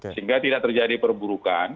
sehingga tidak terjadi perburukan